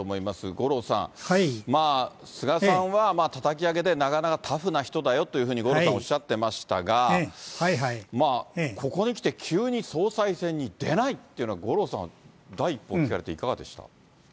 五郎さん、菅さんはたたき上げでなかなかタフな人だよというふうに五郎さん、おっしゃってましたが、ここにきて急に総裁選に出ないっていうのは、五郎さん、第一報聞かれていかがでした？